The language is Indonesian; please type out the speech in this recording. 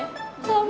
tiana kebayang banget